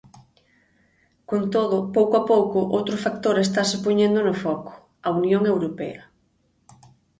Con todo, pouco a pouco outro factor estase poñendo no foco: a Unión Europea.